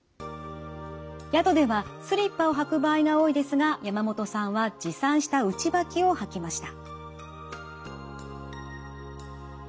宿ではスリッパを履く場合が多いですが山本さんは持参した内履きを履きました。